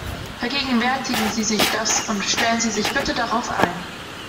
Vergegenwärtigen Sie sich das und stellen Sie sich bitte darauf ein!